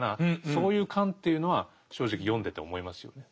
そういう感というのは正直読んでて思いますよね。